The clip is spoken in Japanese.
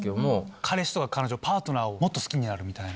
彼氏とか彼女パートナーをもっと好きになるみたいな？